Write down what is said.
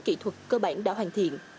kỹ thuật cơ bản đã hoàn thiện